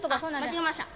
間違えました。